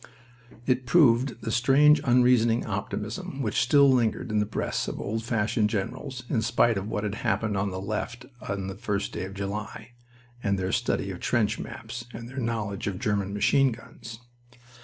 It proved the strange unreasoning optimism which still lingered in the breasts of old fashioned generals in spite of what had happened on the left on the first day of July, and their study of trench maps, and their knowledge of German machine guns.